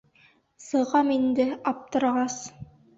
Сығам инде, аптырағас.